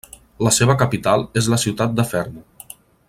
La seva capital és la ciutat de Fermo.